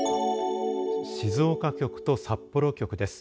静岡局と札幌局です。